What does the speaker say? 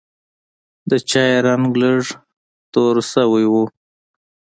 د چای رنګ لږ توره شوی و.